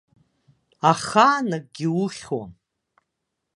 Ахаан акгьы ухьуам.